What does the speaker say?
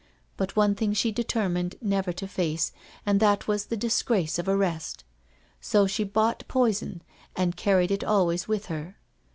But one thing she determined never to face, and that was the disgrace of arrest. So she bought poison and carried it always with her.